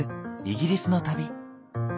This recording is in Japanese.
イギリスの旅。